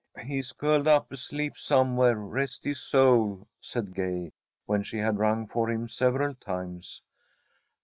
"He's curled up asleep somewhere, rest his soul," said Gay, when she had rung for him several times.